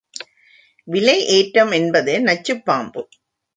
விலை ஏற்றம் என்பது நச்சுப் பாம்பு.